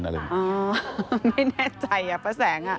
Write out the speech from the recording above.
ไม่แน่ใจอ่ะป้าแสง